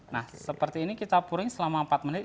nah seperti ini kita puring selama empat menit